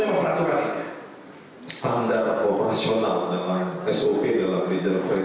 itu memang peraturan ini